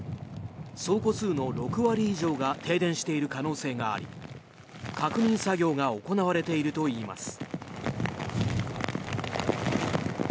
総戸数の６割以上が停電している可能性があり確認作業が行われているといいます。